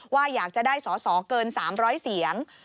ว่าอยากจะได้สอสอเกิน๓๐๐เสียง